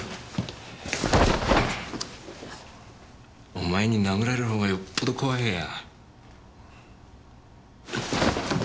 お前に殴られる方がよっぽど怖いや。